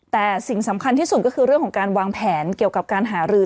แต่สิ่งสำคัญที่สุดก็คือเรื่องของการวางแผนเกี่ยวกับการหารือ